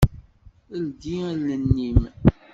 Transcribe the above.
Ldi allen-im.